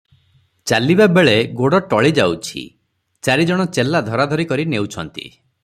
ଚାଲିବା ବେଳେ ଗୋଡ ଟଳି ଯାଉଛି, ଚାରି ଜଣ ଚେଲା ଧରାଧରି କରି ନେଉଛନ୍ତି ।